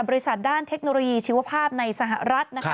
บริษัทด้านเทคโนโลยีชีวภาพในสหรัฐนะคะ